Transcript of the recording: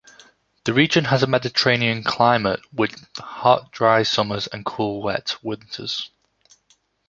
The region has a Mediterranean climate with hot dry summers and cool wet winters.